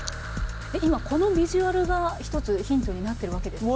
今このビジュアルが一つヒントになってるわけですか？